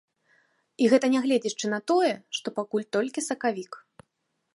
І гэта нягледзячы на тое, што пакуль толькі сакавік.